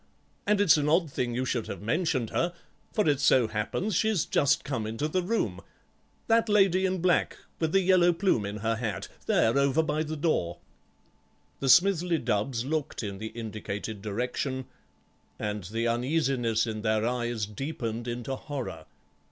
And it's an odd thing you should have mentioned her, for it so happens she's just come into the room. That lady in black, with the yellow plume in her hat, there over by the door." The Smithly Dubbs looked in the indicated direction, and the uneasiness in their eyes deepened into horror.